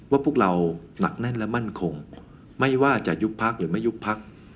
พวกเราหนักแน่นและมั่นคงไม่ว่าจะยุบพักหรือไม่ยุบพัก